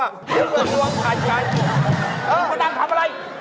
ไม่รู้ว่ามันกลายมาดังทำอะไร